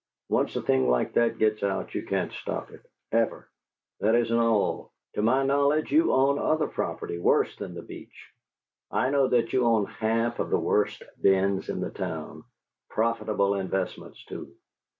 Once a thing like that gets out you can't stop it ever! That isn't all: to my knowledge you own other property worse than the Beach; I know that you own half of the worst dens in the town: profitable investments, too.